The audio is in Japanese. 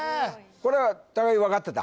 これは高木分かってた？